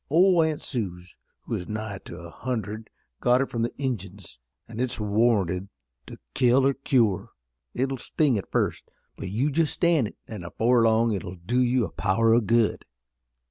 Ole Aunt Suse, who is 'nigh to a hundred, got it from the Injuns an' it's warranted to kill or cure. It'll sting at first, but just you stan' it, an' afore long it will do you a power o' good."